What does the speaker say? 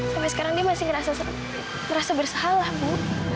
sampai sekarang dia masih merasa bersalah bu